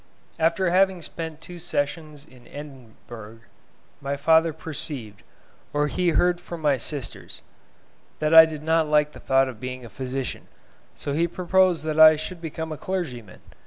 After having spent two sessions in Edinburgh, my father perceived, or he heard from my sisters, that I did not like the thought of being a physician, so he proposed that I should become a clergyman.